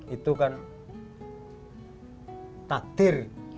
itu kan takdir